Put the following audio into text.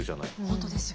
本当ですよ。